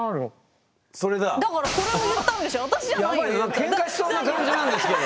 ケンカしそうな感じなんですけど。